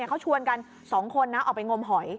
เขาชวนกัน๒คนออกไปงมหอย